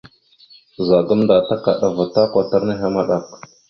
Ɓəza gamənda takaɗava ta kwatar nehe maɗak.